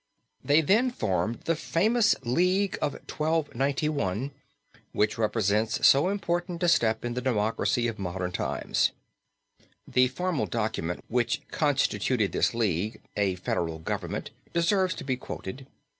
They then formed the famous league of 1291 which represents so important a step in the democracy of modern times. The formal document which constituted this league a federal government deserves to be quoted.